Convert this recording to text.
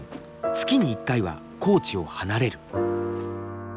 月に一回は高知を離れる。